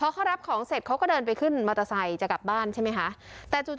อืมมันเตรียมกับมีดเลย